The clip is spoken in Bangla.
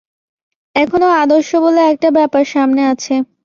এখনো আদর্শ বলে একটা ব্যাপার সামনে আছে।